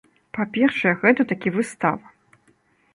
Па-першае, гэта такі выстава.